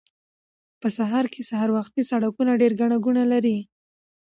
په ښار کې سهار وختي سړکونه ډېر ګڼه ګوڼه لري